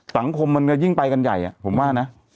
สังคมมันก็ยิ่งไปกันใหญ่อ่ะผมว่านะ